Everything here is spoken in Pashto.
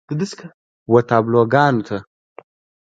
و تابلوګانو ته